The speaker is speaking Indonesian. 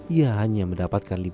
ia hanya mendapatkan sekoteng